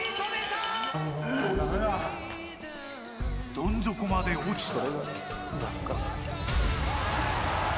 どん底まで落ちた。